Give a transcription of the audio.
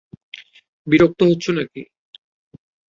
বিরক্ত হচ্ছো নাকি?